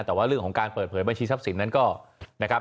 แต่ว่าเรื่องของการเปิดเผยบัญชีทรัพย์สินนั้นก็นะครับ